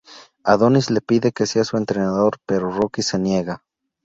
Adonis le pide que sea su entrenador, pero Rocky se niega.